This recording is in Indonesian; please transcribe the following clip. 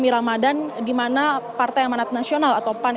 ini kan kita